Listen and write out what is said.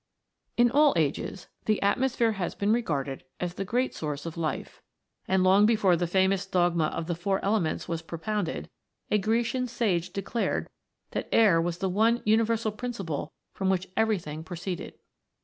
In all ages the atmosphere has been regarded as the great source of life, and long before the famous dogma of the Four Elements was propounded, a Grecian sage declared that air was the one uni versal principle from which everything proceeded.